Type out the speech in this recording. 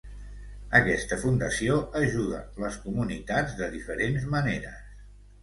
Aquesta fundació ajuda les comunitats de diferents maneres.